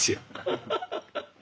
ハハハハハ。